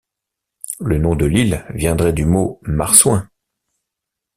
Le nom de l'île viendrait du mot marsouin.